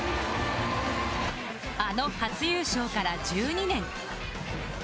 あの初優勝から１２年。